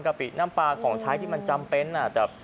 กปิน้ำปลาของใช้ที่มันจำเป็น